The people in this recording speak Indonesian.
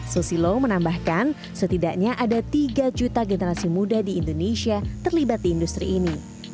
susilo menambahkan setidaknya ada tiga juta generasi muda di indonesia terlibat di industri ini